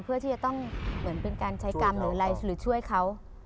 เพื่อที่จะต้องเหมือนเป็นการใช้กรรมหรืออะไรหรือช่วยเขา